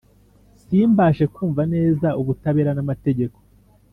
simbashe kumva neza ubutabera n’amategeko.